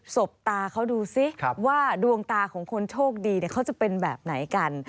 บตาเขาดูสิว่าดวงตาของคนโชคดีเขาจะเป็นแบบไหนกัน